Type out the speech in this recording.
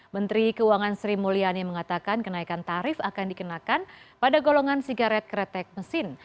menteri keuangan sri mulyani mengatakan kenaikan tarif akan dikenakan pada golongan sigaret kretek mesin